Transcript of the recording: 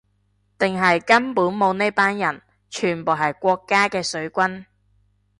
定係根本冇呢班人，全部係國家嘅水軍